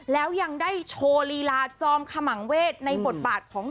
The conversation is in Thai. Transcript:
แล้วยังได้โชว์ลีลาจอมขมังเวทในบทบาทของ